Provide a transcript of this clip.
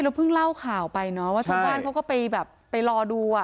เพิ่งเล่าข่าวไปเนาะว่าชาวบ้านเขาก็ไปแบบไปรอดูอ่ะ